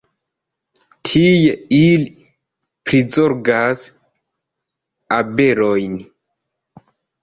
Tie, ili prizorgas abelojn.